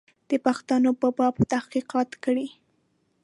د پښتنو په باب تحقیقات کړي.